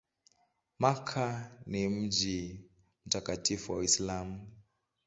Makka ni mji mtakatifu wa Uislamu.